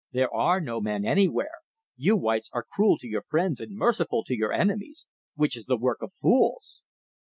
There are no men anywhere. You whites are cruel to your friends and merciful to your enemies which is the work of fools."